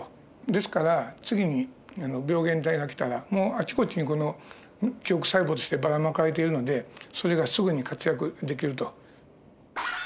ですから次に病原体が来たらあちこちに記憶細胞としてばらまかれているのでそれがすぐに活躍できると。